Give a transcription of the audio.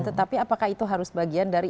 tetapi apakah itu harus bagian dari